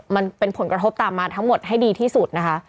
มันเป็นผลกระทบตามมาทั้งหมดให้ดีที่สุดนะคะ